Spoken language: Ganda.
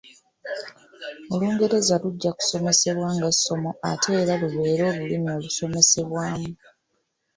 Olungereza lujja kusomesebwa nga essomo ate era lubeere olulimi olusomesebwamu.